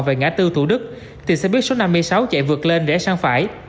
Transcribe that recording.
về ngã tư thủ đức thì xe buýt số năm mươi sáu chạy vượt lên rẽ sang phải